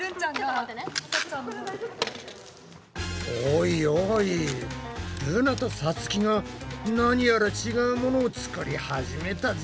おいおいルナとさつきが何やら違うものを作り始めたぞ。